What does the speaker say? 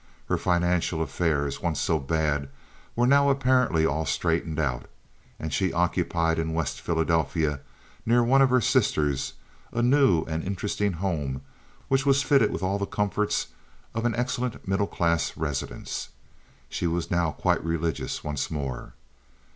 Her financial affairs, once so bad, were now apparently all straightened out, and she occupied in West Philadelphia, near one of her sisters, a new and interesting home which was fitted with all the comforts of an excellent middle class residence. She was now quite religious once more.